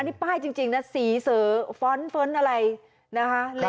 อันนี้ป้ายจริงสีสือฟ้อนท์อะไรนะครับ